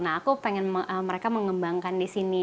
nah aku pengen mereka mengembangkan disini